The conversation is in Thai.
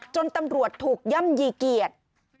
จนตำรวจถูกย่ำยีเกียรติ